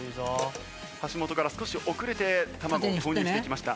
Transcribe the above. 橋本から少し遅れて卵を投入してきました。